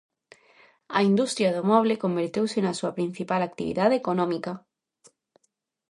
A industria do moble converteuse na súa principal actividade económica.